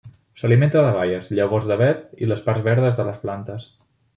S'alimenta de baies, llavors d'avet i les parts verdes de les plantes.